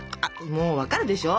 もう分かるでしょ。